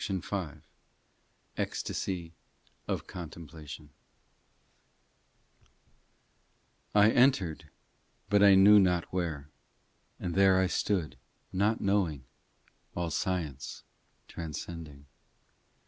POEMS 267 ECSTASY OF CONTEMPLATION I ENTERED, but I knew not where, And there I stood nought knowing, All science transcending.